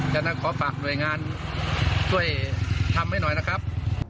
ฉะนั้นขอฝากหน่วยงานช่วยทำให้หน่อยนะครับ